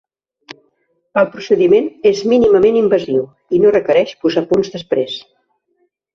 El procediment és mínimament invasiu i no requereix posar punts després.